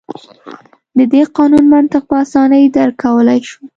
د دې قانون منطق په اسانۍ درک کولای شو.